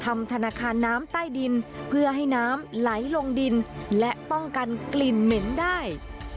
ธนาคารน้ำใต้ดินเพื่อให้น้ำไหลลงดินและป้องกันกลิ่นเหม็นได้